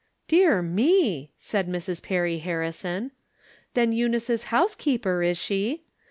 " Dear me !" said Mrs. Perry Harrison. " Then Eunice is housekeeper, is she